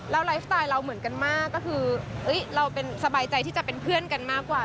แล้วไลฟ์สไตล์เราเหมือนกันมากก็คือเราเป็นสบายใจที่จะเป็นเพื่อนกันมากกว่า